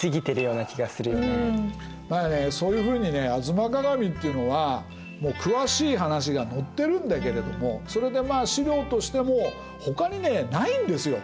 そういうふうにね「吾妻鏡」っていうのは詳しい話が載ってるんだけれどもそれでまあ史料としてもほかにねないんですよ